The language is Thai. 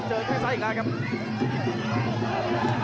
เจอแค่ซ้ายอีกแล้วครับ